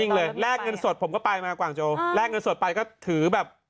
เลยแลกเงินสดผมก็ไปมากว่าจะแลกเงินสดไปก็ถือแบบ